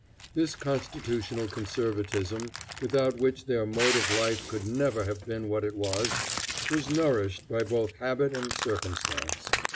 This constitutional conservatism, without which their mode of life could never have been what it was, was nourished by both habit and circumstance.